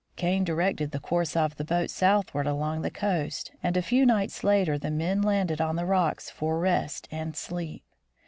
Kane directed the course of the boats southward along the coast, and a few nights later the men landed on the rocks for rest and sleep.